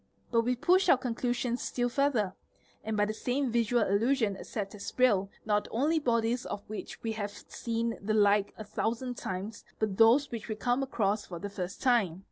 But we push our conclusions still further, and by the same visual illusion accept as real not only bodies of which we have seen the like a thousand times, but those which we come across for the first time.